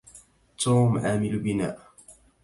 توم عامل بناء.